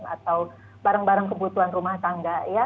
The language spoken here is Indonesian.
atau barang barang kebutuhan rumah tangga ya